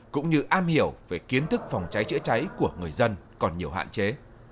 cũng như am hiểu về kiến thức phòng cháy chữa cháy của người dân còn nhiều hạn chế